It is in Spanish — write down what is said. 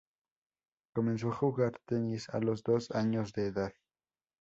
Comenzó a jugar tenis a los dos años de edad.